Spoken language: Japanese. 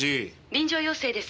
「臨場要請です」